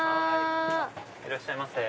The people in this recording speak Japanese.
いらっしゃいませ。